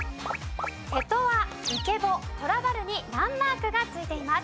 セトアイケボトラバるに難マークが付いています。